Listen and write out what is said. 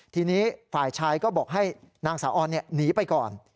ทีนี้ฝ่ายชายก็บอกให้นางสาวออนหนีไปก่อน